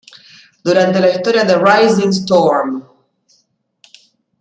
Durante la historia de "Rising Storm!"!